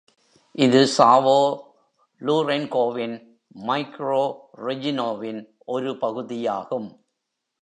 இது சாவோ லூரென்கோவின் மைக்ரோரெஜினோவின் ஒரு பகுதியாகும்.